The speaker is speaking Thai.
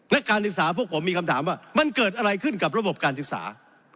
และการศึกษาพวกผมมีคำถามว่ามันเกิดอะไรขึ้นกับระบบการศึกษา